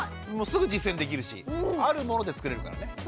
もうすぐ実践できるしあるもので作れるからね。